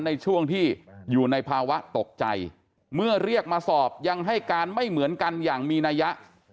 ในช่วงที่อยู่ในภาวะตกใจเมื่อเรียกมาสอบยังให้การไม่เหมือนกันอย่างมีนัยยะ